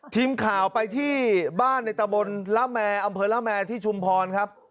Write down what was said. ทีมข่าวไปที่บ้านในตะบนละแมร์อำเภอละแมที่ชุมพรครับ